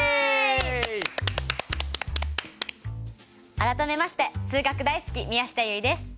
改めまして数学大好き宮下結衣です。